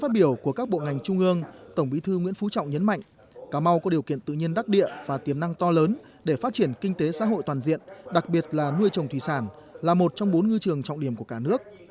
tổng bí thư nguyễn phú trọng nhấn mạnh cà mau có điều kiện tự nhiên đắc địa và tiềm năng to lớn để phát triển kinh tế xã hội toàn diện đặc biệt là nuôi trồng thủy sản là một trong bốn ngư trường trọng điểm của cả nước